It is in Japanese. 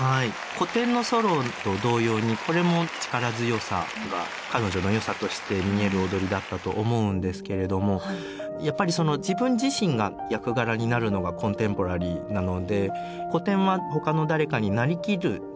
古典のソロと同様にこれも力強さが彼女の良さとして見える踊りだったと思うんですけれどもやっぱり自分自身が役柄になるのがコンテンポラリーなので古典は他の誰かになりきる演じる